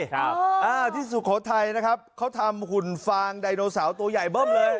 ครับอ่าที่สุโขทัยนะครับเขาทำหุ่นฟางไดโนเสาร์ตัวใหญ่เบิ้มเลย